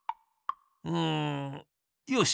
うんよし！